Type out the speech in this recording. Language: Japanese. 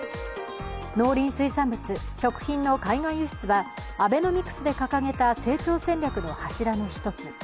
農林水産物・食品の海外輸出はアベノミクスで掲げた成長戦略の柱の１つ。